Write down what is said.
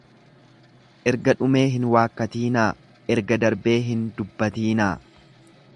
Erga dhumee hin waakkatinaa, erga darbee hin dubbatinaa.